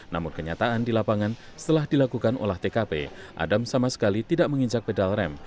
namun kenyataan di lapangan setelah dilakukan olah tkp adam sama sekali tidak menginjak pedal rem